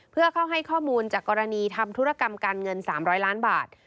เพื่อเข้าให้ข้อมูลจากกรณีทำธุรกรรมการเงิน๓๐๐ล้านบาท